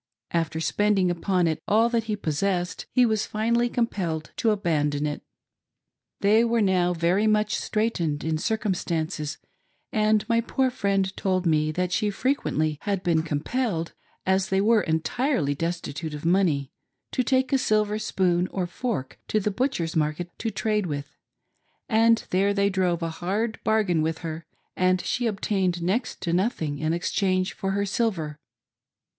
After spending upon it all that he possessed, he was finally compelled to abandon it. They were now very much straightened in circumstances, and my poor friend told me that she had frequently been compelled — as they were entirely destitute of money — to take a silver spoon or fork to the butcher's market to trade with, and there they drove a hard bargain with her, and she obtained next to nothing in exchange for her silver.